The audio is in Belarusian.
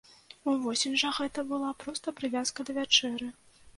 Увосень жа гэта была проста прывязка да вячэры.